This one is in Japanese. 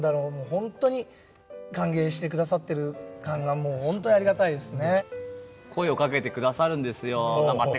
ホントに歓迎してくださってる感がもうホントありがたいですね。